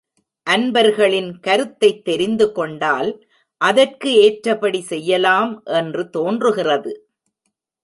அன்பர்களின் கருத்தைத் தெரிந்து கொண்டால் அதற்கு ஏற்றபடி செய்யலாம் என்று தோன்றுகிறது.